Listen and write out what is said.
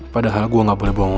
padahal gua ga boleh bohong waktu